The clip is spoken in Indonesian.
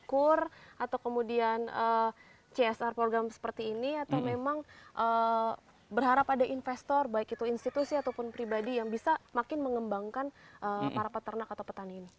kur atau kemudian csr program seperti ini atau memang berharap ada investor baik itu institusi ataupun pribadi yang bisa makin mengembangkan para peternak atau petani ini